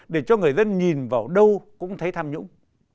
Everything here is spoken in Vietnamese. để cho người dân nhìn vào đâu cũng thấy tham nhũng